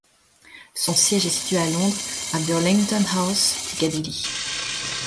Son siège est situé à Londres à Burlington House, Piccadilly.